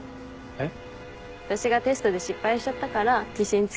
えっ？